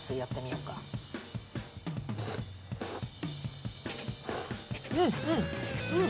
うんうん。